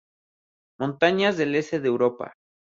Montañas del S de Europa.